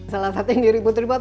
salah satu yang diribut ribut